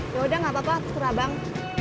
yaudah nggak apa apa aku seterah bang